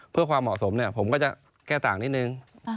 เพื่อความเหมาะสมผมก็จะแก้ต่างนิดนึง